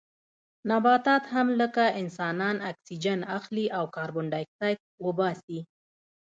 نباتات هم لکه انسانان اکسیجن اخلي او کاربن ډای اکسایډ وباسي